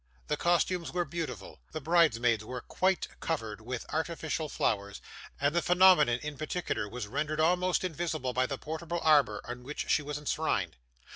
The costumes were beautiful. The bridesmaids were quite covered with artificial flowers, and the phenomenon, in particular, was rendered almost invisible by the portable arbour in which she was enshrined.